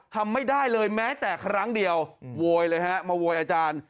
ทำไม่ได้เลยแม้แต่ครั้งเดียวโวยเลยฮะมาโวยอาจารย์